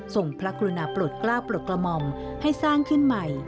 พระกรุณาปลดกล้าปลดกระหม่อมให้สร้างขึ้นใหม่